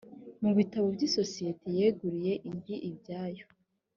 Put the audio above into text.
mu bitabo by isosiyete yeguriye indi ibyayo